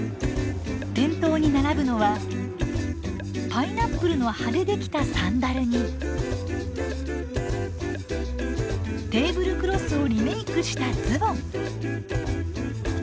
店頭に並ぶのはパイナップルの葉でできたサンダルにテーブルクロスをリメークしたズボン。